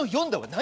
何？